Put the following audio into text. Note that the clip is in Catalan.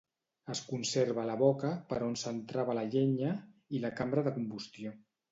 Es conserva la boca, per on s'entrava la llenya, i la cambra de combustió.